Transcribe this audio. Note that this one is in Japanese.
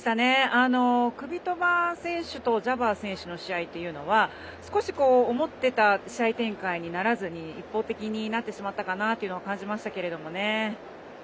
クビトバ選手とジャバー選手の試合というのは少し思っていた試合展開にならずに一方的になってしまったかなと感じましたけどもね。